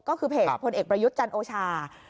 ก็คือเพจพลเอกประยุทธ์จันโอชา